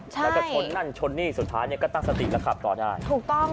แล้วก็ชนนั่นชนนี่สุดท้ายเนี่ยก็ตั้งสติแล้วขับต่อได้ถูกต้อง